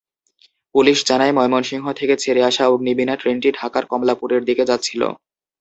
Police জানায়, ময়মনসিংহ থেকে ছেড়ে আসা অগ্নিবীণা ট্রেনটি ঢাকার কমলাপুরের দিকে যাচ্ছিল।